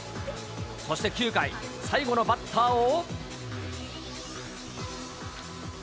そして９回、最後のバッターを。